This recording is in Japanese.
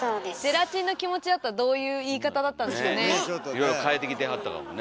いろいろ変えてきてはったかもね。